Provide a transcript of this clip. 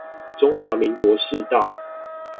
中華民國市道